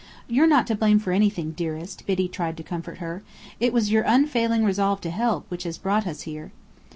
"You're not to blame for anything, dearest," Biddy tried to comfort her. "It was your unfailing resolve to help, which has brought us here."